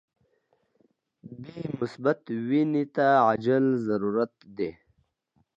بی مثبت وینی ته عاجل ضرورت دي.